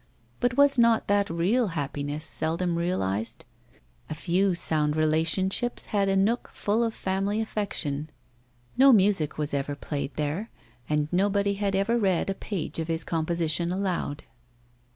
But was not that real happiness, seldom realised? A few sound friendships and a nook full of family affection. No music was ever played there, and nobody had ever read a page of his composition aloud.